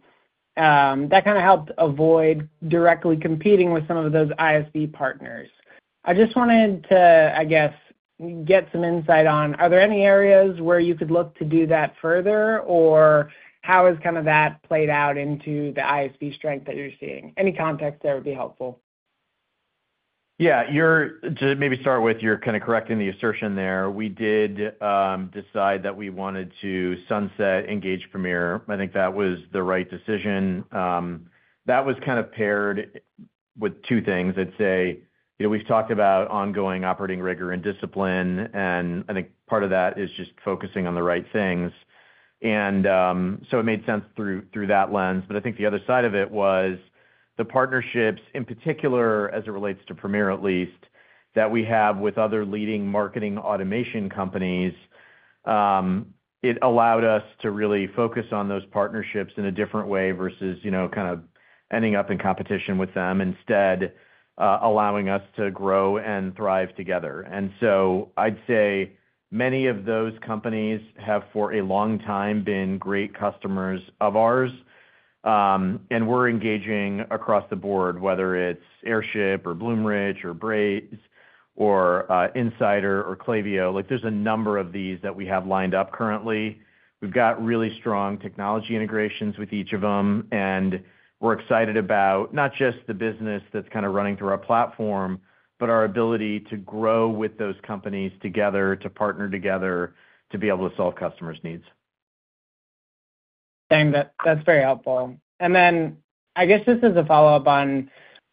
that kind of helped avoid directly competing with some of those ISV partners. I just wanted to, I guess, get some insight on, are there any areas where you could look to do that further, or how has kind of that played out into the ISV strength that you're seeing? Any context there would be helpful. Yeah. To maybe start with, you're kind of correcting the assertion there. We did decide that we wanted to sunset Engage Premier. I think that was the right decision. That was kind of paired with two things. I'd say we've talked about ongoing operating rigor and discipline. And I think part of that is just focusing on the right things. And so it made sense through that lens. But I think the other side of it was the partnerships, in particular as it relates to Premier at least, that we have with other leading marketing automation companies. It allowed us to really focus on those partnerships in a different way versus kind of ending up in competition with them instead allowing us to grow and thrive together. And so I'd say many of those companies have for a long time been great customers of ours. And we're engaging across the board, whether it's Airship or Bloomreach or Braze or Insider or Klaviyo. There's a number of these that we have lined up currently. We've got really strong technology integrations with each of them. And we're excited about not just the business that's kind of running through our platform, but our ability to grow with those companies together, to partner together, to be able to solve customers' needs. And that's very helpful. And then I guess just as a follow-up on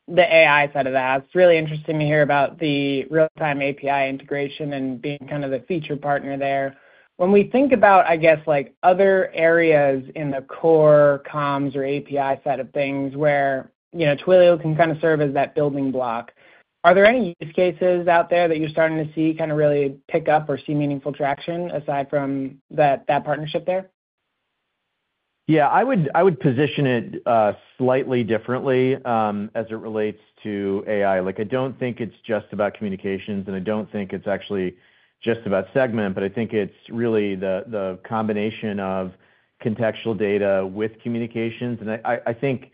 the AI side of that, it's really interesting to hear about the real-time API integration and being kind of the featured partner there. When we think about, I guess, other areas in the core comms or API side of things where Twilio can kind of serve as that building block, are there any use cases out there that you're starting to see kind of really pick up or see meaningful traction aside from that partnership there? Yeah. I would position it slightly differently as it relates to AI. I don't think it's just about communications. And I don't think it's actually just about Segment. But I think it's really the combination of contextual data with communications. I think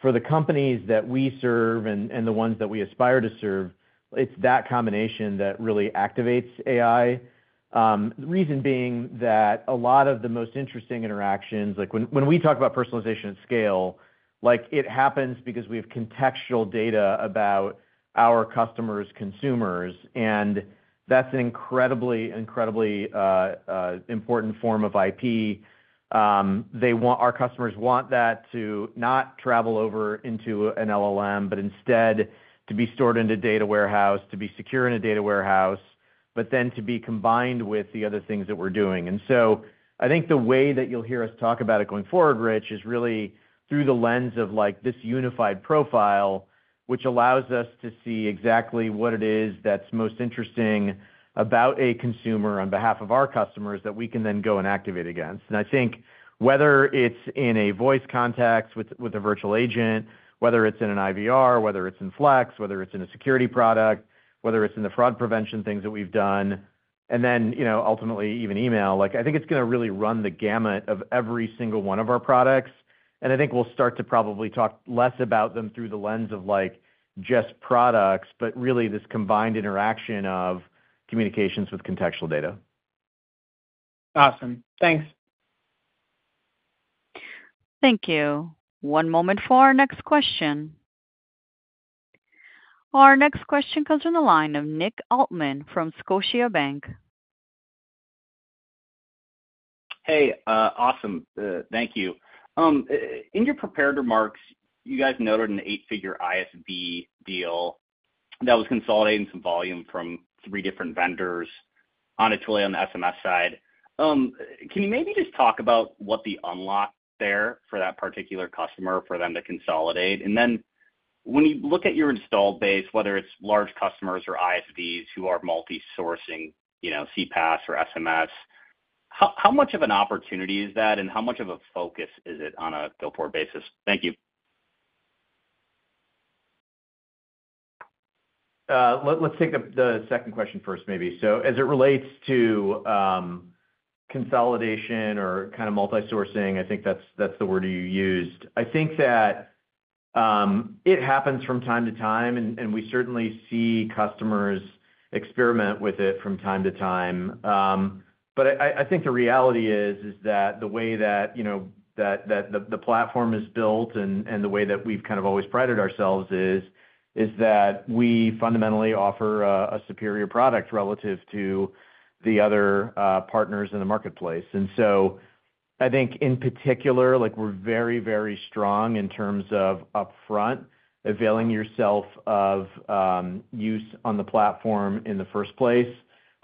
for the companies that we serve and the ones that we aspire to serve, it's that combination that really activates AI. The reason being that a lot of the most interesting interactions, when we talk about personalization at scale, it happens because we have contextual data about our customers' consumers. And that's an incredibly, incredibly important form of IP. Our customers want that to not travel over into an LLM, but instead to be stored in a data warehouse, to be secure in a data warehouse, but then to be combined with the other things that we're doing. I think the way that you'll hear us talk about it going forward, Rich, is really through the lens of this unified profile, which allows us to see exactly what it is that's most interesting about a consumer on behalf of our customers that we can then go and activate against. I think whether it's in a voice contact with a virtual agent, whether it's in an IVR, whether it's in Flex, whether it's in a security product, whether it's in the fraud prevention things that we've done, and then ultimately even email, it's going to really run the gamut of every single one of our products. I think we'll start to probably talk less about them through the lens of just products, but really this combined interaction of communications with contextual data. Awesome. Thanks. Thank you. One moment for our next question. Our next question comes from the line of Nick Altmann from Scotiabank. Hey. Awesome. Thank you. In your prepared remarks, you guys noted an eight-figure ISV deal that was consolidating some volume from three different vendors on a Twilio and SMS side. Can you maybe just talk about what the unlock there for that particular customer for them to consolidate? And then when you look at your installed base, whether it's large customers or ISVs who are multi-sourcing CPaaS or SMS, how much of an opportunity is that, and how much of a focus is it on a go-forward basis? Thank you. Let's take the second question first, maybe, so as it relates to consolidation or kind of multi-sourcing, I think that's the word you used. I think that it happens from time to time, and we certainly see customers experiment with it from time to time. But I think the reality is that the way that the platform is built and the way that we've kind of always prided ourselves is that we fundamentally offer a superior product relative to the other partners in the marketplace. And so I think in particular, we're very, very strong in terms of upfront availing yourself of use on the platform in the first place,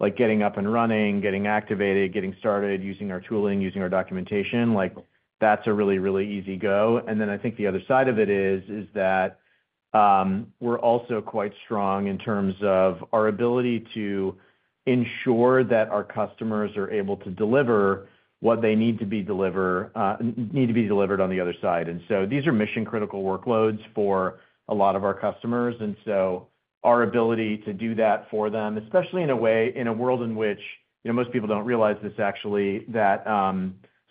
like getting up and running, getting activated, getting started, using our tooling, using our documentation. That's a really, really easy go. And then I think the other side of it is that we're also quite strong in terms of our ability to ensure that our customers are able to deliver what they need to be delivered on the other side. And so these are mission-critical workloads for a lot of our customers. And so our ability to do that for them, especially in a world in which most people don't realize this actually, that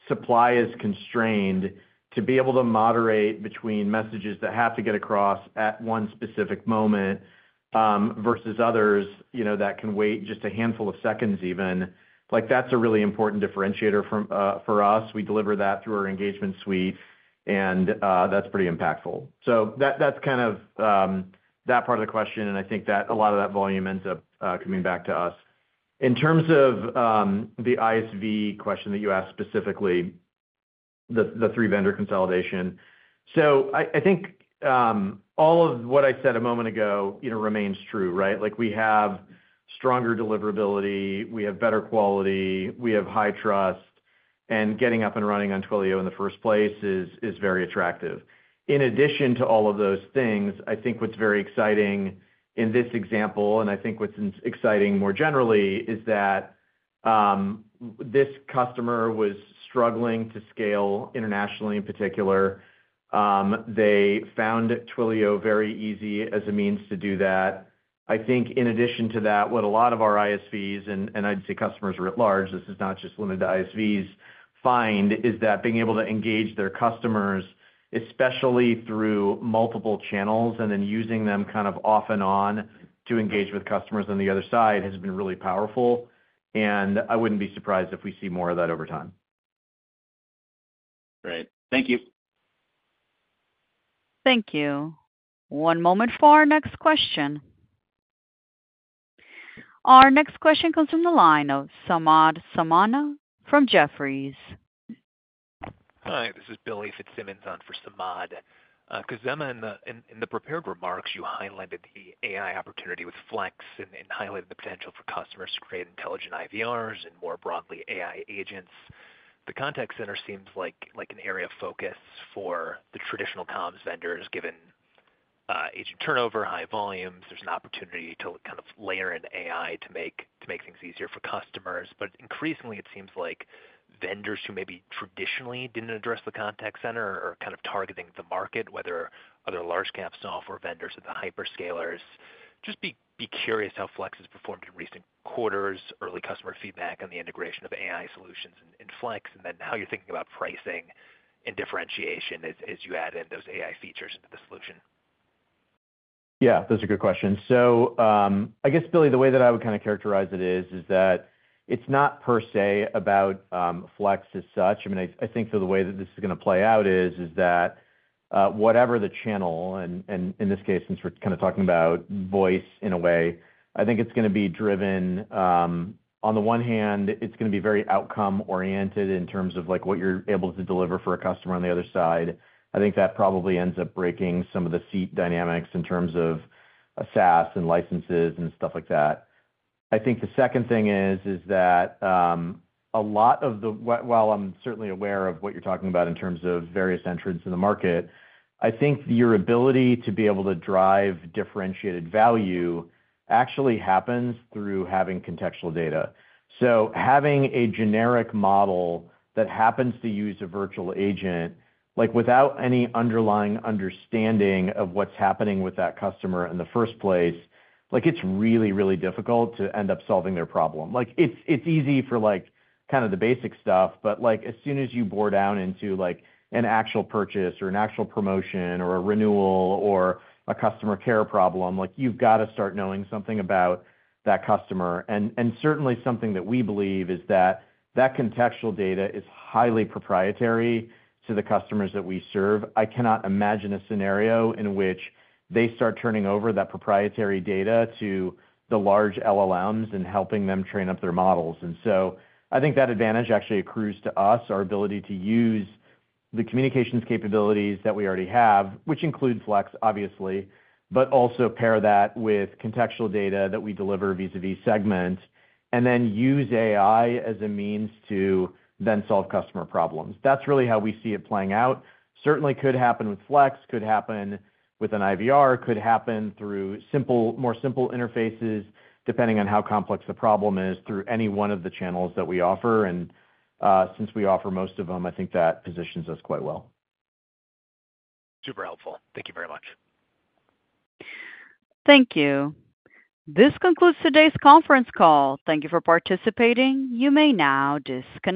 supply is constrained, to be able to moderate between messages that have to get across at one specific moment versus others that can wait just a handful of seconds even, that's a really important differentiator for us. We deliver that through our engagement suite. And that's pretty impactful. So that's kind of that part of the question. And I think that a lot of that volume ends up coming back to us. In terms of the ISV question that you asked specifically, the three-vendor consolidation, so I think all of what I said a moment ago remains true, right? We have stronger deliverability. We have better quality. We have high trust. And getting up and running on Twilio in the first place is very attractive. In addition to all of those things, I think what's very exciting in this example, and I think what's exciting more generally, is that this customer was struggling to scale internationally in particular. They found Twilio very easy as a means to do that. I think in addition to that, what a lot of our ISVs and I'd say customers at large, this is not just limited to ISVs, find is that being able to engage their customers, especially through multiple channels, and then using them kind of off and on to engage with customers on the other side has been really powerful. And I wouldn't be surprised if we see more of that over time. Great. Thank you. Thank you. One moment for our next question. Our next question comes from the line of Samad Samana from Jefferies. Hi. This is Billy Fitzsimmons on for Samad. Khozema, in the prepared remarks, you highlighted the AI opportunity with Flex and highlighted the potential for customers to create intelligent IVRs and more broadly AI agents. The contact center seems like an area of focus for the traditional comms vendors given agent turnover, high volumes. There's an opportunity to kind of layer in AI to make things easier for customers. But increasingly, it seems like vendors who maybe traditionally didn't address the contact center are kind of targeting the market, whether other large-cap software vendors or the hyperscalers. Just be curious how Flex has performed in recent quarters, early customer feedback, and the integration of AI solutions in Flex. And then how you're thinking about pricing and differentiation as you add in those AI features into the solution. Yeah. Those are good questions. So, I guess, Billy, the way that I would kind of characterize it is that it's not per se about Flex as such. I mean, I think the way that this is going to play out is that whatever the channel, and in this case, since we're kind of talking about voice in a way, I think it's going to be driven on the one hand. It's going to be very outcome-oriented in terms of what you're able to deliver for a customer on the other side. I think that probably ends up breaking some of the seat dynamics in terms of SaaS and licenses and stuff like that. I think the second thing is that a lot of the, while I'm certainly aware of what you're talking about in terms of various entrants in the market, I think your ability to be able to drive differentiated value actually happens through having contextual data. So having a generic model that happens to use a virtual agent without any underlying understanding of what's happening with that customer in the first place, it's really, really difficult to end up solving their problem. It's easy for kind of the basic stuff. But as soon as you bore down into an actual purchase or an actual promotion or a renewal or a customer care problem, you've got to start knowing something about that customer. And certainly, something that we believe is that that contextual data is highly proprietary to the customers that we serve. I cannot imagine a scenario in which they start turning over that proprietary data to the large LLMs and helping them train up their models. And so I think that advantage actually accrues to us, our ability to use the communications capabilities that we already have, which include Flex, obviously, but also pair that with contextual data that we deliver vis-à-vis Segment, and then use AI as a means to then solve customer problems. That's really how we see it playing out. Certainly, could happen with Flex, could happen with an IVR, could happen through more simple interfaces, depending on how complex the problem is, through any one of the channels that we offer. And since we offer most of them, I think that positions us quite well. Super helpful. Thank you very much. Thank you. This concludes today's conference call. Thank you for participating. You may now disconnect.